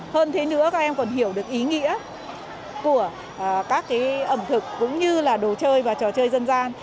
hơn thế nữa các em còn hiểu được ý nghĩa của các ẩm thực cũng như là đồ chơi và trò chơi dân gian